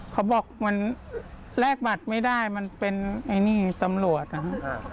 เขาบอกมันแลกบัตรไม่ได้มันเป็นไอ้นี่ตำรวจนะครับ